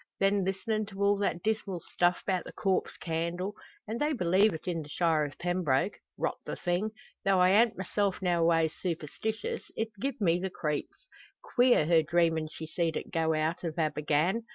Then listenin' to all that dismal stuff 'bout the corpse candle. An' they believe it in the shire o' Pembroke! Rot the thing! Tho' I an't myself noways superstishus, it gi'ed me the creeps. Queer, her dreamin' she seed it go out o' Abergann!